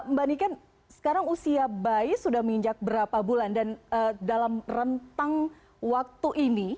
mbak niken sekarang usia bayi sudah menginjak berapa bulan dan dalam rentang waktu ini